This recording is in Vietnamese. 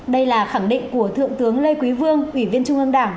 đây là khẳng định của thượng tướng lê quý vương ủy viên trung ương đảng